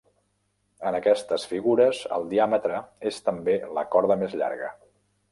En aquestes figures, el diàmetre és també la corda més llarga.